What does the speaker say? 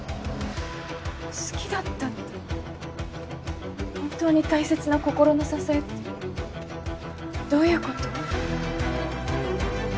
「好きだった」って「本当に大切な心の支え」ってどういうこと？